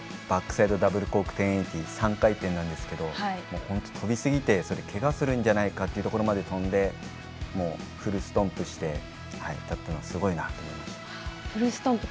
バックサイドダブルコーク１０８０３回転なんですけども本当にとびすぎてけがするんじゃないかというところまでとんでフルストンプして立ったのはすごいと思いました。